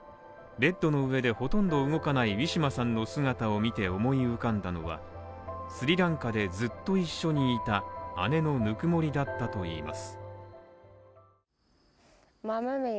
ベッドの上でほとんど動かないウィシュマさんの姿を見て思い浮かんだのはスリランカでずっと一緒にいた姉のぬくもりだったといいます。